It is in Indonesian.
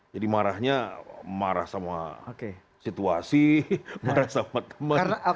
jadi marahnya marah sama situasi marah sama teman